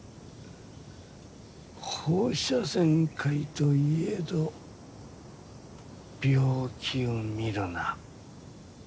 放射線科医といえど病気を見るな。